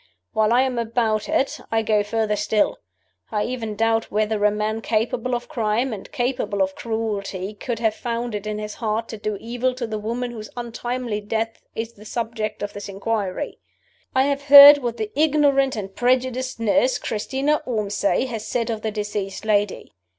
While I am about it, I go further still. I even doubt whether a man capable of crime and capable of cruelty could have found it in his heart to do evil to the woman whose untimely death is the subject of this inquiry. "I have heard what the ignorant and prejudiced nurse, Christina Ormsay, has said of the deceased lady.